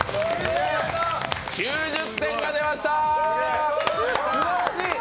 ９０点が出ました！